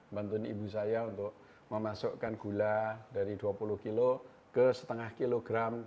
bantuin ibu saya untuk memasukkan gula dari dua puluh kilo ke setengah kilogram